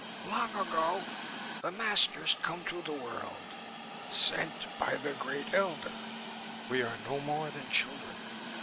"Long ago, the masters come to the world, sent by the Great Elder. We are no more than children.